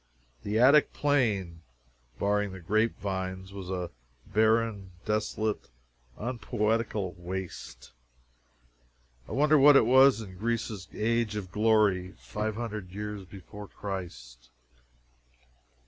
The Attic Plain, barring the grape vines, was a barren, desolate, unpoetical waste I wonder what it was in Greece's Age of Glory, five hundred years before Christ?